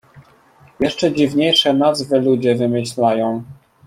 Jeszcze dziwniejsze nazwy ludzie wymyślają